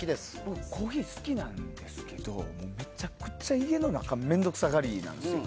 コーヒー好きなんですけどめちゃくちゃ家の中で面倒くさがりなんですよ。